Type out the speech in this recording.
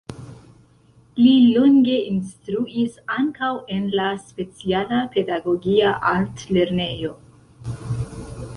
Li longe instruis ankaŭ en la speciala pedagogia altlernejo.